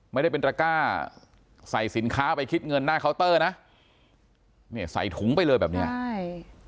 ไม่ได้เป็นตระก้าใส่สินค้าไปคิดเงินหน้าเคาน์เตอร์นะเนี่ยใส่ถุงไปเลยแบบเนี้ยใช่